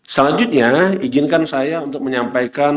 selanjutnya izinkan saya untuk menyampaikan